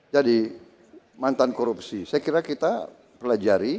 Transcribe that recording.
jadi mantan korupsi saya kira kita pelajari